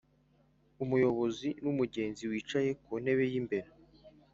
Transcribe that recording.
umuyobozi n'umugenzi wicaye ku ntebe y'imbere.